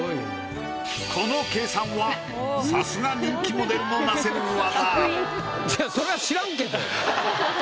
この計算はさすが人気モデルのなせる技。